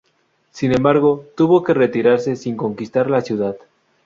Sin embargo, tuvo que retirarse sin conquistar la ciudad.